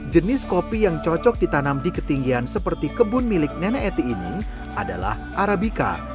jenis kopi yang cocok ditanam di ketinggian seperti kebun milik nenek eti ini adalah arabica